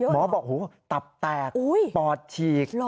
หมอบอกหูตับแตกปอดฉีก